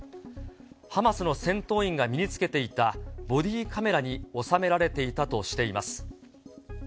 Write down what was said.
ハマスの戦闘員が身につけていたボディーカメラに収められていたとしています。